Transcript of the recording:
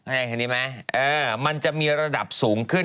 เห็นดีไหมมันจะมีระดับสูงขึ้น